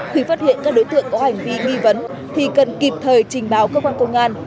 khi phát hiện các đối tượng có hành vi nghi vấn thì cần kịp thời trình báo cơ quan công an